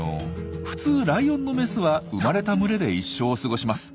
普通ライオンのメスは生まれた群れで一生を過ごします。